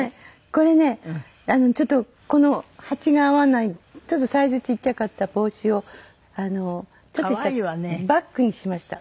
これねちょっとこの鉢が合わないちょっとサイズちっちゃかった帽子をちょっとしたバッグにしました。